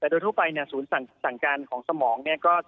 แต่โดยทั่วไปสูตรการของสมอง